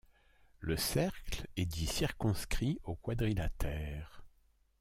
Le cercle est dit circonscrit au quadrilatère.